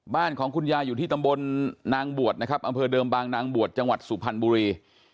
บ้านของคุณยายอยู่ที่ตำบลนางบวชนะครับอำเภอเดิมบางนางบวชจังหวัดสุพรรณบุรี